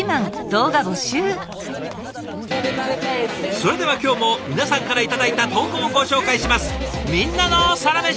それでは今日も皆さんから頂いた投稿をご紹介します。